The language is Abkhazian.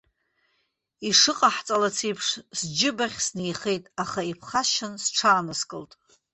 Ишыҟаҳҵалац еиԥш сџьыбахь снеихеит, аха иԥхасшьан сҽааныскылт.